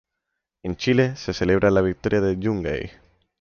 En Chile, se celebra la victoria de Yungay.